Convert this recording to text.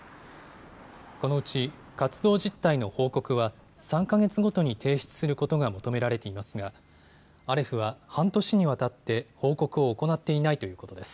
このうち活動実態の報告は３か月ごとに提出することが求められていますがアレフは半年にわたって報告を行っていないということです。